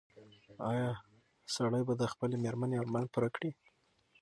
ایا سړی به د خپلې مېرمنې ارمان پوره کړي؟